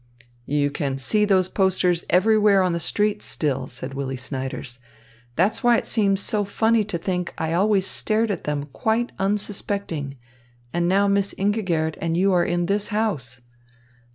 "You can see those posters everywhere on the streets still," said Willy Snyders. "That's why it seems so funny to think I always stared at them quite unsuspecting; and now Miss Ingigerd and you are in this house.